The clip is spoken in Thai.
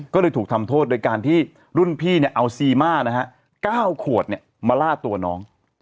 ก็เลยถูกทำโทษโดยการที่รุ่นพี่เอาซีมานะฮะ๙ขวดมาล่าตัวน้อง